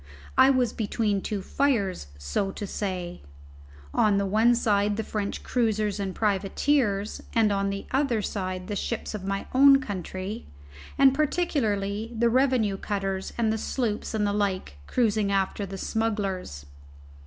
I was between two fires, so to say; on the one side the French cruisers and privateers, and on the other side the ships of my own country, and particularly the revenue cutters and the sloops and the like cruising after the smugglers.